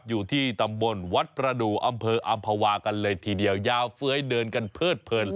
อยู่ที่ตำบลวัดประดูกอำเภออำภาวากันเลยทีเดียวยาวเฟ้ยเดินกันเพิดเพลิน